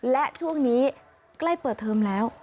และช่วงนี้ใกล้เปิดเทอมแล้ว